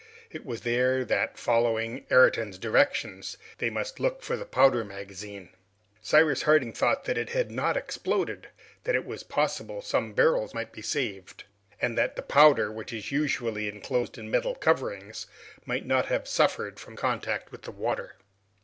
It was there that, following Ayrton's directions, they must look for the powder magazine. Cyrus Harding thought that it had not exploded; that it was possible some barrels might be saved, and that the powder, which is usually enclosed in metal coverings might not have suffered from contact with the water.